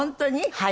はい。